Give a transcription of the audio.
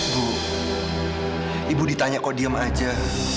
bu ibu ditanya kok diem aja